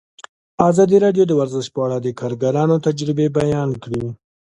ازادي راډیو د ورزش په اړه د کارګرانو تجربې بیان کړي.